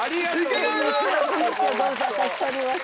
ごぶさたしております